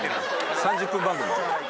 ３０分番組。